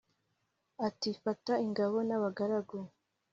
ati"fata ingabo nabagaragu